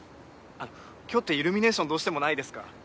あの今日ってイルミネーションどうしてもないですか？